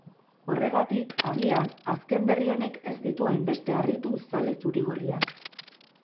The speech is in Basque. Horregatik, agian, azken berri honek ez ditu hainbeste harritu zale zuri-gorriak.